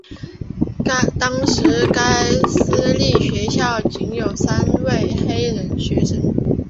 当时该私立学校仅有三位黑人学生。